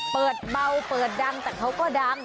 เปิดเบาเปิดดังแต่เขาก็ดัง